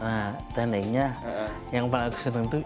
nah tandaiknya yang paling keseneng tuh